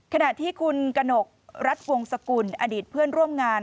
ขณะที่คุณกนกรัฐวงสกุลอดีตเพื่อนร่วมงาน